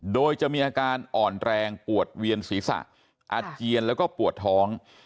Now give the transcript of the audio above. โดยจะมีอาการอ่อนแรงปวดเวียนศีรษะอาเจียนแล้วก็ปวดท้อง